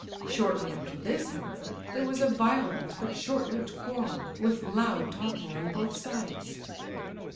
Shortly after this, however, there was a violent but short lived quarrel, with loud talking on both sides.